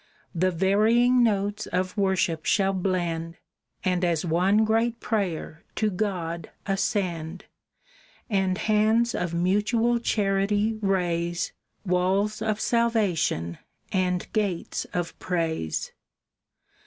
The varying notes of worship shall blend And as one great prayer to God ascend, And hands of mutual charity raise Walls of salvation and gates of praise."